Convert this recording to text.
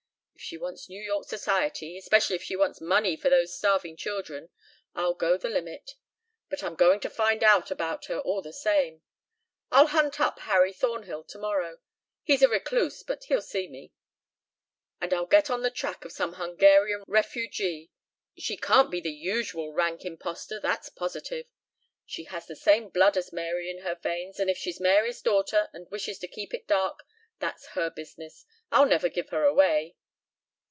If she wants New York Society, especially if she wants money for those starving children, I'll go the limit. But I'm going to find out about her all the same. I'll hunt up Harry Thornhill tomorrow he's a recluse but he'll see me and I'll get on the track of some Hungarian refugee. She can't be the usual rank impostor, that's positive. She has the same blood as Mary in her veins, and if she's Mary's daughter and wishes to keep it dark, that's her business. I'll never give her away."